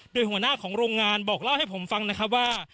โดยหัวหน้าของโรงงานบอกเล่าให้ผมฟังนะครับว่า